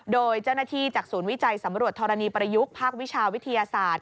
โดยเจ้าหน้าที่จากศูนย์วิจัยสำรวจธรณีประยุกต์ภาควิชาวิทยาศาสตร์